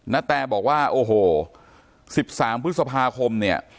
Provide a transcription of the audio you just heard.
นาแตบอกว่าโอ้โห๑๓พฤษภาคมเนี่ย